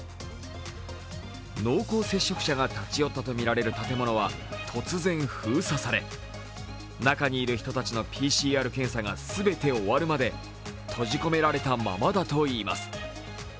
濃厚接触者が立ち寄ったとみられる建物は突然、封鎖され中にいる人たちのＰＣＲ検査が全て終わるまで閉じ込められたままだといいます。